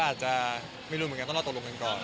ก็อาจจะไม่รู้ก็ต้องตกลงกันก่อน